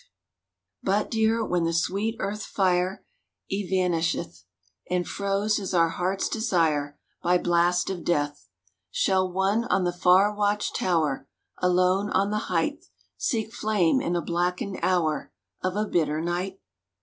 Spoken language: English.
54 THE WATCH TOWER But, dear, when the sweet earth fire Evanisheth, And froze is our heart's desire By blast of death, Shall one on the far watch tower, Alone on the height, Seek flame in a blackened hour Of a bitter night?